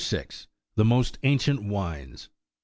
THE MOST ANCIENT WINES.